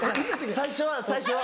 最初は最初は